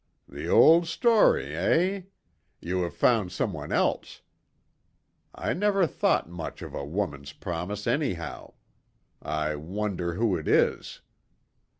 "The old story, eh? You have found some one else. I never thought much of a woman's promise, anyhow. I wonder who it is."